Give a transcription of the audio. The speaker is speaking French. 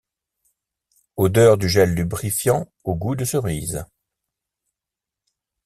Odeur du gel lubrifiant au goût de cerise.